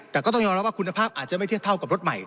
แต่ก็ต้องยอมรับว่าคุณภาพอาจจะไม่เทียบเท่ากับรถใหม่